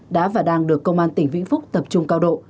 đã và đang được công an tỉnh vĩnh phúc tập trung cao độ